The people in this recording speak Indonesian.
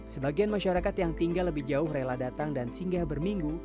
sebagian masyarakat yang tinggal lebih jauh rela datang dan singgah berminggu